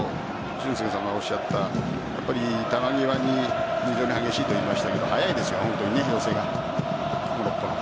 俊輔さんがおっしゃった球際に激しいと言いましたが速いですよね、寄せが。